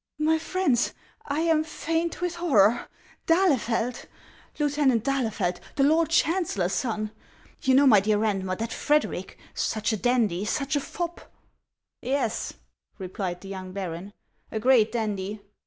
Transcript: " My friends, I am faint with horror ! D'Ahlefeld, 33 1 HANS OF ICELAND. Lieutenant d'Ahlefeld, the lord chancellor's son ! You know, my dear Randruer, that Frederic — such a dandy ! such a top !"" Yes," replied the young baron, " a great dandy